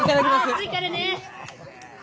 熱いからね！